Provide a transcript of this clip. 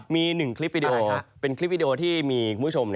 มี๑คลิปวิดีโอเป็นคลิปวิดีโอที่มีคุณผู้ชม